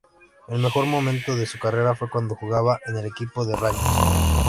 El mejor momento de su carrera fue cuando jugaba en el equipo de Rangers.